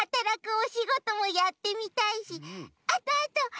おしごともやってみたいしあとあと